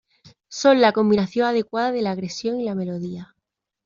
Son la combinación adecuada de la agresión y la melodía".